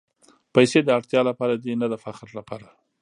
پېسې د اړتیا لپاره دي، نه د فخر لپاره.